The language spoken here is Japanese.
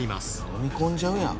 のみ込んじゃうやん。